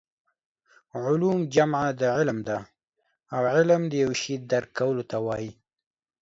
علوم جمع د علم ده او علم د یو شي درک کولو ته وايي